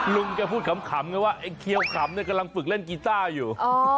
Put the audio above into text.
ลุงแกพูดขำไงว่าไอ้เคี้ยวขำเนี่ยกำลังฝึกเล่นกีต้าอยู่